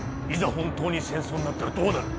本当に戦争になったらどうなる？